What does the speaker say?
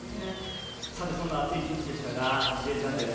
そんな暑い１日でしたが「Ｊチャンネル」